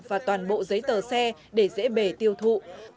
và toàn bộ giấy tờ xe để dễ bể tiêu thụ